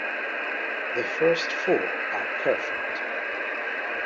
The first four are perfect.